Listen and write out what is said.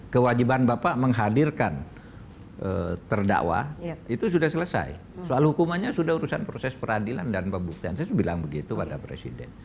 kewajiban bapak menghadirkan terdakwa itu sudah selesai soal hukumannya sudah urusan proses peradilan dan pembuktian saya sudah bilang begitu pada presiden